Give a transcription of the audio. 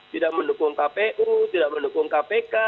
tidak mendukung kpu tidak mendukung kpk